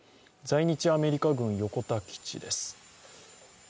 在日アメリカ軍・横田基地です。